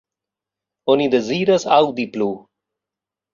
Oni deziras aŭdi plu.